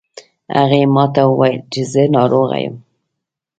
هغې ما ته وویل چې زه ناروغه یم